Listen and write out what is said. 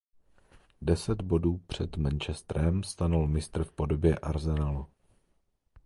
Deset bodů před Manchesterem stanul mistr v podobě Arsenalu.